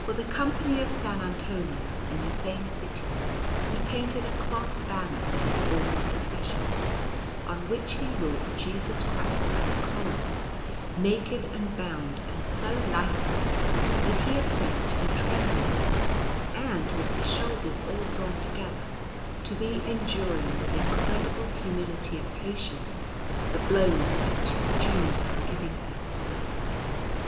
For the Company of S. Antonio, in the same city, he painted a cloth banner that is borne in processions, on which he wrought Jesus Christ at the Column, naked and bound and so lifelike, that He appears to be trembling, and, with His shoulders all drawn together, to be enduring with incredible humility and patience the blows that two Jews are giving Him.